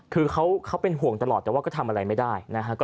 คือเขาเป็นห่วงตลอดแต่ว่าก็ทำอะไรไม่ได้นะฮะ